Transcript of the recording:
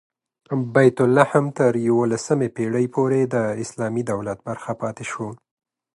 بیت لحم تر یوولسمې پېړۍ پورې د اسلامي دولت برخه پاتې شو.